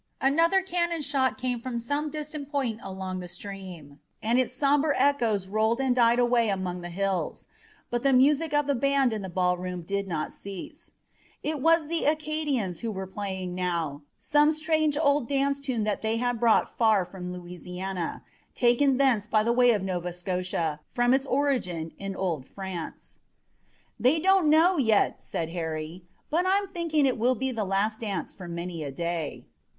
Another cannon shot came from some distant point along the stream, and its somber echoes rolled and died away among the hills, but the music of the band in the ballroom did not cease. It was the Acadians who were playing now, some strange old dance tune that they had brought from far Louisiana, taken thence by the way of Nova Scotia from its origin in old France. "They don't know yet," said Harry, "but I'm thinking it will be the last dance for many a day."